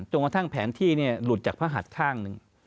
จงว่าท่างแผนที่เนี่ยหลุดจากพระหัสข้างหนึ่ง